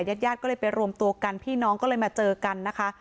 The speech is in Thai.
ญาติญาติก็เลยไปรวมตัวกันพี่น้องก็เลยมาเจอกันนะคะ